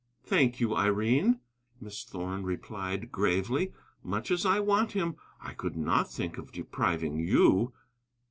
"Thank you, Irene," Miss Thorn replied gravely, "much as I want him, I could not think of depriving you."